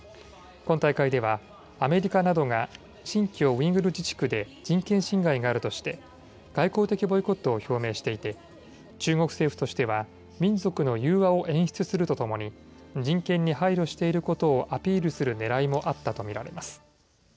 今大会ではアメリカなどが新疆ウイグル自治区で人権侵害があるとして外交的ボイコットを表明していて中国政府としては民族の融和を演出するとともに人権に配慮していることをアピールするねらいもあったと見られます。